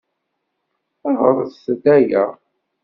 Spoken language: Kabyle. Ɣṛet-d aya!